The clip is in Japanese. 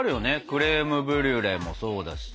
クレームブリュレもそうだしさ。